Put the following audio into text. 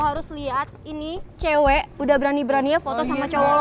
nih nih lo harus liat ini cewek udah berani berani nge photo sama cowo lo